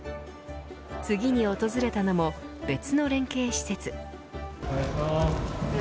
次に訪れたのも別の連携施設。